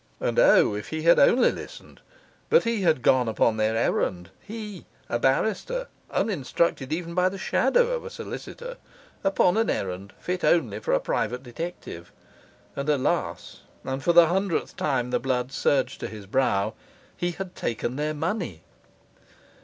And O, if he had only listened; but he had gone upon their errand he, a barrister, uninstructed even by the shadow of a solicitor upon an errand fit only for a private detective; and alas! and for the hundredth time the blood surged to his brow he had taken their money!